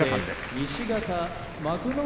西方幕内